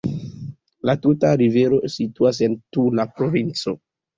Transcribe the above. La tuta rivero situas en Tula provinco.